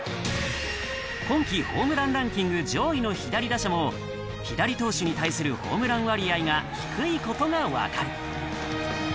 今季ホームランランキング上位の左打者も左投手に対するホームラン割合が低いことがわかる。